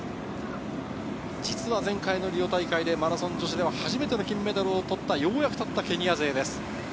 実は前回のリオ大会でマラソン女子では初めての金メダルを取った、ようやく取ったケニア勢です。